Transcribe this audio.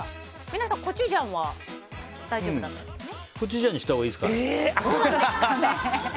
皆さん、コチュジャンは大丈夫だったんですね。